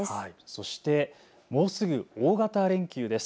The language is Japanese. そしてもうすぐ大型連休です。